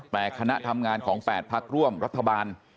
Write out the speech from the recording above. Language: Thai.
แต่คณะทำงานของ๘พักร่วมรัฐบาล